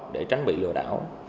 để tránh bị lừa đảo